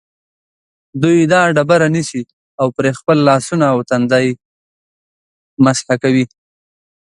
دوی دا ډبره نیسي او پرې خپل لاسونه او تندی مسح کوي.